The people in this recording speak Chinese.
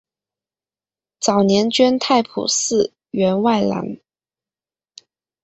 早年捐太仆寺员外郎。